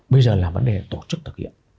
bây giờ là vấn đề tổ chức thực hiện